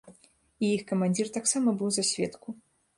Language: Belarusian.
І іх камандзір таксама быў за сведку.